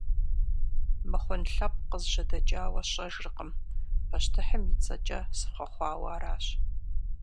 Мыхъун лъэпкъ къызжьэдэкӀауэ сщӀэжыркъым, пащтыхьым и цӀэкӀэ сыхъуэхъуауэ аращ.